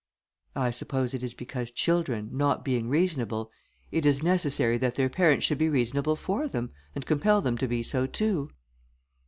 "I suppose it is because children, not being reasonable, it is necessary that their parents should be reasonable for them, and compel them to be so too."